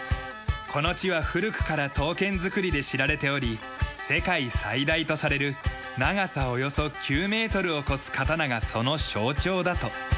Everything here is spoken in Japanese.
この地は古くから刀剣作りで知られており世界最大とされる長さおよそ９メートルを超す刀がその象徴だと。